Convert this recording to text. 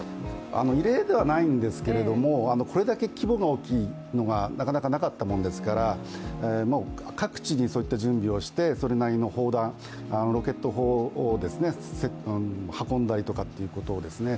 異例ではないんですけれどもこれだけ規模が大きいものがなかなかなかったものですから、各地にそういった準備をしてそれなりの砲弾、ロケット砲を運んだりとかってことですね